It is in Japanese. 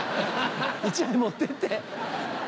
１枚持ってって。